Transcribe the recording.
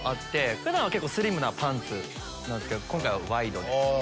普段はスリムなパンツですけど今回はワイドで。